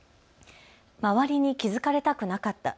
周りに気付かれたくなかった。